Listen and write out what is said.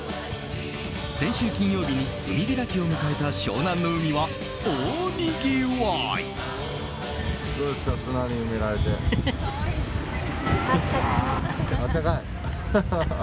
先週金曜日に海開きを迎えた湘南の海は大にぎわい。